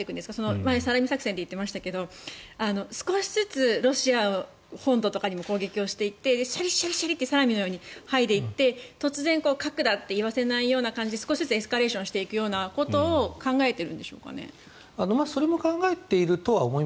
前にサラミ作戦と言っていましたが少しずつロシア本土とかにも攻撃していってサラミのようにはいでいって突然、核だって言わせないような形で少しずつエスカレーションしていくことを考えているんでしょうかね？